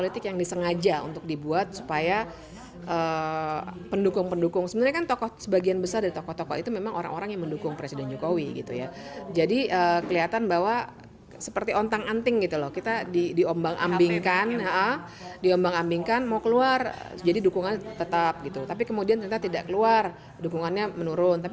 bivitri menilai dialog itu hanyalah sebagai bentuk komunikasi politik untuk menjaga dukungan kepada presiden joko widodo